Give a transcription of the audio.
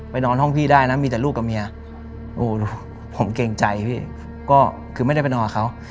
นอนห้องพี่ได้นะมีแต่ลูกกับเมียโอ้ผมเกรงใจพี่ก็คือไม่ได้ไปนอนกับเขา